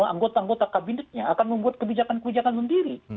anggota anggota kabinetnya akan membuat kebijakan kebijakan sendiri